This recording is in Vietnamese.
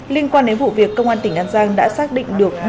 liên quan đến vụ việc công an tỉnh an giang đã xác định được